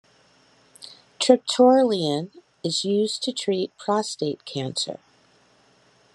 Triptorelin is used to treat prostate cancer.